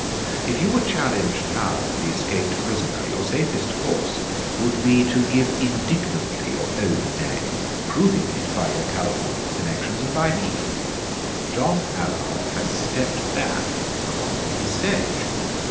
If you were challenged now as the escaped prisoner, your safest course would be to give indignantly your own name, proving it by your Californian connections and by me. John Allard has stepped back upon his stage.